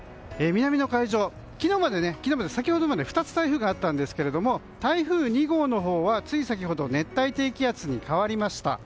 南の海上、先ほどまで２つ台風があったんですけど台風２号のほうはつい先ほど熱帯低気圧に変わりました。